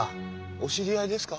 お知り合いですか？